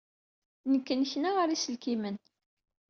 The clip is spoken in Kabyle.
Nekk nneknaɣ ɣer yiselkimen.